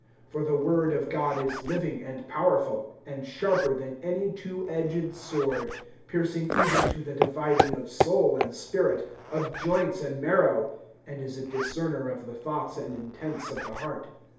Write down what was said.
(12)For the word of God is living, and powerful, and sharper than any two edged sword, piercing even to the dividing of soul and spirit, of joints and marrow, and is a discerner of the thoughts and intents of the heart.